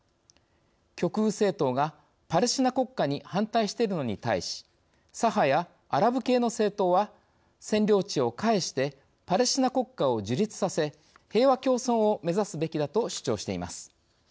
極右政党がパレスチナ国家に反対しているのに対し左派やアラブ系の政党は占領地を返してパレスチナ国家を樹立させ平和共存を目指すべきだと主張しています。